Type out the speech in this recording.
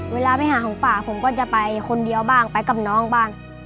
เวลาไปหาของป่าผมก็จะไปคนเดียวบ้างไปกับน้องบ้าง